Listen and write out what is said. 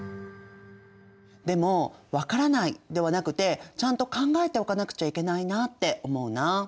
でもわからないではなくてちゃんと考えておかなくちゃいけないなって思うな。